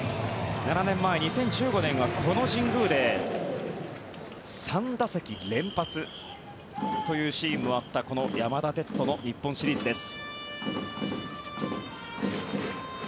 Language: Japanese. ７年前、２０１５年はこの神宮で３打席連発というシーンもあった山田哲人の日本シリーズです。